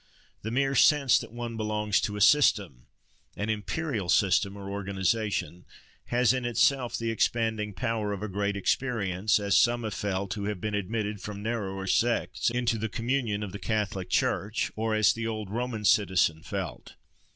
The mere sense that one belongs to a system—an imperial system or organisation—has, in itself, the expanding power of a great experience; as some have felt who have been admitted from narrower sects into the communion of the catholic church; or as the old Roman citizen felt.